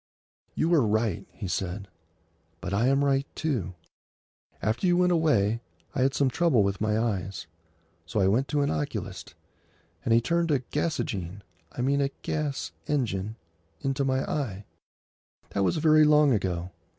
"You are right," he said. "But I am right, too. After you went away I had some trouble with my eyes. So I went to an oculist, and he turned a gasogene—I mean a gas engine—into my eye. That was very long ago.